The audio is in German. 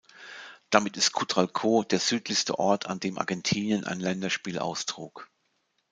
Damit ist Cutral-Có der südlichste Ort, an dem Argentinien ein Länderspiel austrug.